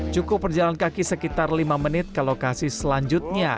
cukup berjalan kaki sekitar lima menit ke lokasi selanjutnya